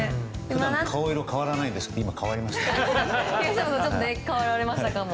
普段顔色変わらないですけど顔色が今、変わりました。